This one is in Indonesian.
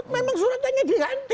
memang suratnya diganti